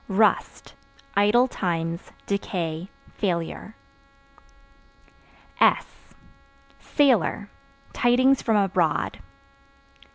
Rust Idle times, decay, failure. S Sailor Tidings from abroad.